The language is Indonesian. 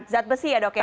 zat besi ya dok ya